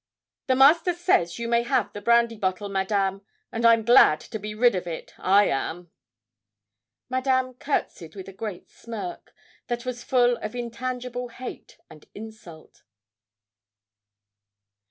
'The Master says you may have the brandy bottle, Madame and I'm glad to be rid of it I am.' Madame courtesied with a great smirk, that was full of intangible hate and insult.